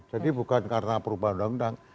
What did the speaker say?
jadi bukan karena perubahan undang undang